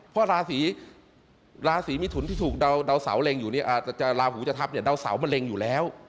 เพราะราศีมิถุนที่ถูกดาวเสาเล็งอยู่ราหูจะทัพดาวเสามันเล็งอยู่แล้ว